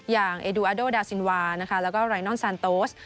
อย่างเอดูอาโดดาซินวานะคะแล้วก็ไรนอนซานโตส